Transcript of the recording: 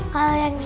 kalau yang ini